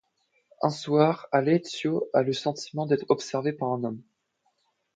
Un soir, Alessio a le sentiment d'être observé par un homme.